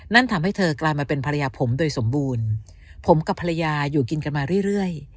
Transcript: นั่นทำให้เธอกลายมาเป็นภรรยาผมโดยสมบูรณ์ผมกับภรรยาอยู่กินกันมาเรื่อย